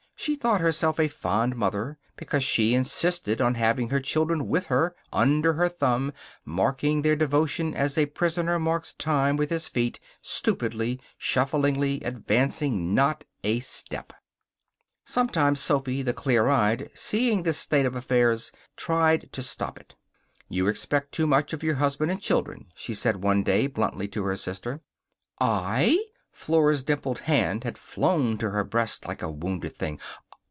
She thought herself a fond mother because she insisted on having her children with her, under her thumb, marking their devotion as a prisoner marks time with his feet, stupidly, shufflingly, advancing not a step. Sometimes Sophy, the clear eyed, seeing this state of affairs, tried to stop it. "You expect too much of your husband and children," she said one day, bluntly, to her sister. "I!" Flora's dimpled hand had flown to her breast like a wounded thing.